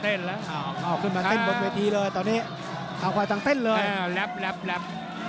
เออปากก็ออกกันเต้นทั้งแพทย์เลย